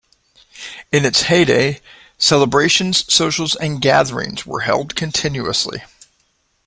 In its heyday celebrations, socials, and gatherings where held continuously.